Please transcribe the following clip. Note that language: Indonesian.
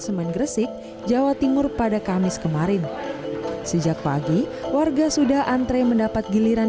semen gresik jawa timur pada kamis kemarin sejak pagi warga sudah antre mendapat giliran